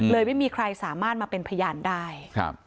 ไม่มีใครสามารถมาเป็นพยานได้